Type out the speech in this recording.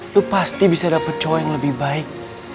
lo pasti bisa dapet cowok yang lebih baik